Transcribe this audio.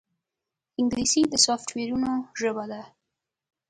انګلیسي د سافټویرونو ژبه ده